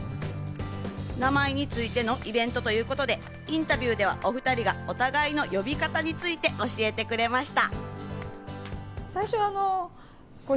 名前についてのイベントということでインタビューでは、お２人がお互いの呼び方について教えてくれました。